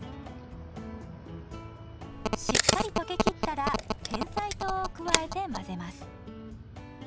しっかり溶けきったらてんさい糖を加えて混ぜます。